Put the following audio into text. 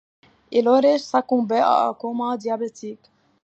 Il aurait succombé à un coma diabétique.